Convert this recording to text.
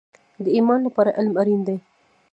د ایمان لپاره علم اړین دی